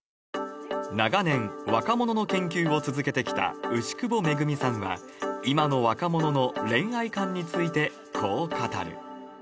長年、若者の研究を続けてきた牛窪恵さんは、今の若者の恋愛観について、こう語る。